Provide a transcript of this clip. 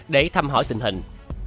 để thăm hỏi tình hình